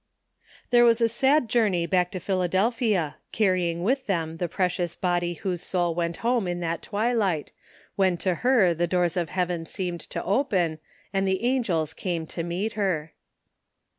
There was a sad journey back to Philadelphia, can'ying with them the precious body whose soul went home in that twilight, when to her the doors of Heaven seemed to open, and the angels came to meet her.